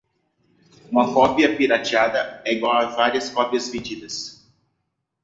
Uma cópia "pirateada" é igual a várias cópias vendidas.